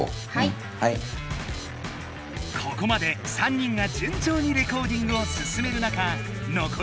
ここまで３人がじゅんちょうにレコーディングをすすめる中あれ？